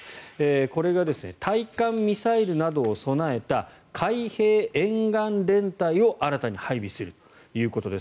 これが対艦ミサイルなどを備えた海兵沿岸連隊を新たに配備するということです。